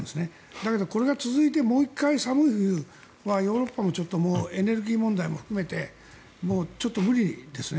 だけどこれが続いてもう１回寒い冬はヨーロッパもちょっとエネルギー問題も含めてもうちょっと、無理ですね。